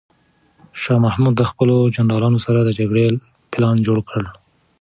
شاه محمود د خپلو جنرالانو سره د جګړې پلان جوړ کړ.